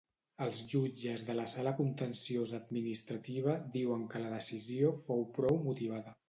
Els jutges de la sala contenciosa administrativa diuen que la decisió fou prou motivada.